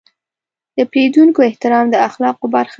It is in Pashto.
د پیرودونکو احترام د اخلاقو برخه ده.